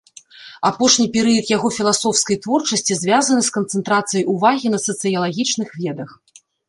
Апошні перыяд яго філасофскай творчасці звязаны з канцэнтрацыяй увагі на сацыялагічных ведах.